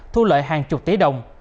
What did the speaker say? thu lợi hàng chục tỷ đồng